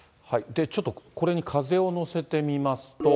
ちょっとこれに風を乗せてみますと。